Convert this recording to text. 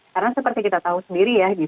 karena seperti kita tahu sendiri ya